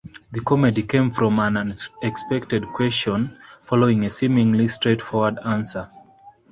The comedy came from an unexpected question following a seemingly straightforward answer.